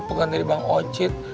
bukan dari bang ocit